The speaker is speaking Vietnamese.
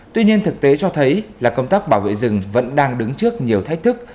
tuy nhiên thực tế cho thấy là công tác bảo vệ rừng vẫn đang đứng trước nhiều thách thức